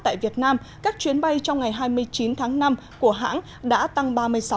tại việt nam các chuyến bay trong ngày hai mươi chín tháng năm của hãng đã tăng ba mươi sáu